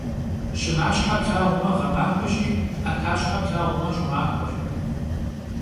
Şınaşhe plhağume ğemaxueşi, 'etaşhe plhağume ş'ımaxueş.